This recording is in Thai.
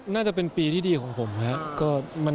น่าจะเป็นปีที่ดีของผมครับ